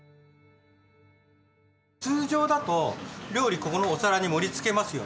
通常だと料理ここのお皿に盛りつけますよね。